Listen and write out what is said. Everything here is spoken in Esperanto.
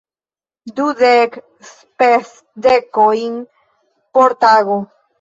Dudek spesdekojn por tago!